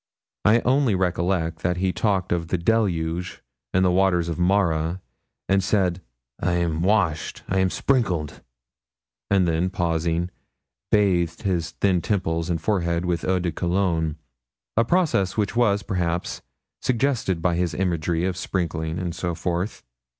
I only recollect that he talked of the deluge and the waters of Mara, and said, 'I am washed I am sprinkled,' and then, pausing, bathed his thin temples and forehead with eau de Cologne; a process which was, perhaps, suggested by his imagery of sprinkling and so forth.